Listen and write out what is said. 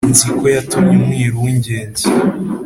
Nziko yatumye Umwiru w’ingenzi